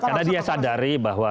karena dia sadari bahwa